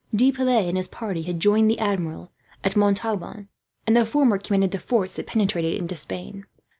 De Piles and his party had joined the Admiral at Montauban, and the former commanded the force that penetrated into Spain.